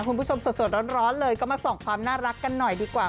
คุณผู้ชมสดร้อนเลยก็มาส่องความน่ารักกันหน่อยดีกว่า